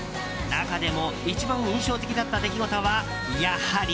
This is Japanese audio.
中でも一番印象的だった出来事はやはり。